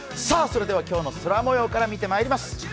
それでは今日の空もようから見てまいります。